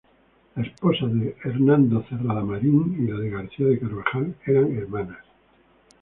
La esposa de Hernando Cerrada Marín y la de García de Carvajal, eran hermanas.